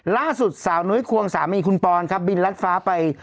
ล่าสุดสาวนุ้ยควงสามีคุณปอนครับบินรัดฟ้าไป